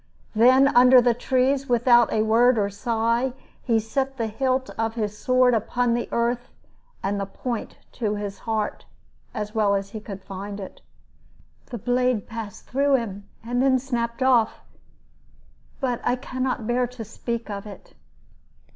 Then under the trees, without a word or sigh, he set the hilt of his sword upon the earth, and the point to his heart as well as he could find it. The blade passed through him, and then snapped off But I can not bear to speak of it.